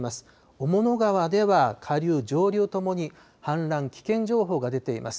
雄物川では下流、上流ともに氾濫危険情報が出ています。